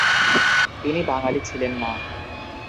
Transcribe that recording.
তিনি বাঙালি ছিলেন না।